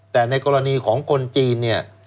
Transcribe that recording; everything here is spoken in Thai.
แต่ในกรณีของคนจีนเนี่ย